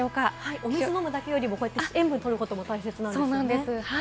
お水飲むだけよりも、塩分とることも大切ですもんね。